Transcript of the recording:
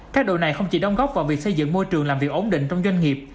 các đội này không chỉ đóng góp vào việc xây dựng môi trường làm việc ổn định trong doanh nghiệp